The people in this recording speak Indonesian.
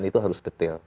dan itu harus detail